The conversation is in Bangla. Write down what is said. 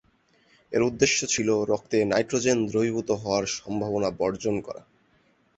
এর উদ্দেশ্য ছিল রক্তে নাইট্রোজেন দ্রবীভূত হওয়ার সম্ভাবনা বর্জন করা।